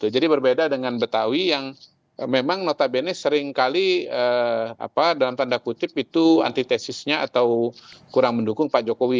jadi berbeda dengan betawi yang memang notabene seringkali dalam tanda kutip itu antitesisnya atau kurang mendukung pak jokowi